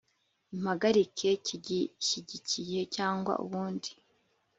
impagarike kigishyigikiye cyangwa ubundi